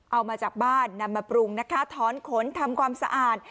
เอามาจากบ้านนำมาปรุงนะคะถอนขนทำความสะอาด